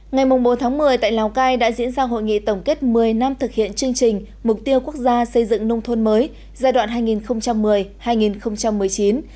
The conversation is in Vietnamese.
ngày bốn một mươi tại lào cai đã diễn ra hội nghị tổng kết một mươi năm thực hiện chương trình mục tiêu quốc gia xây dựng nông thôn mới giai đoạn hai nghìn một mươi hai nghìn một mươi chín